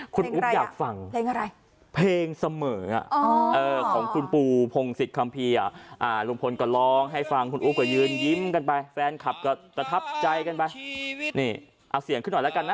คุณอุ๊บอยากฟังเพลงอะไรเพลงเสมอของคุณปูพงศิษยคัมภีร์ลุงพลก็ร้องให้ฟังคุณอุ๊บก็ยืนยิ้มกันไปแฟนคลับก็ประทับใจกันไปนี่เอาเสียงขึ้นหน่อยแล้วกันนะ